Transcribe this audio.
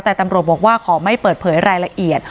แต่ตำรวจบอกว่าขอไม่เปิดเผยรายละเอียด